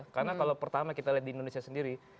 karena kalau pertama kita lihat di indonesia sendiri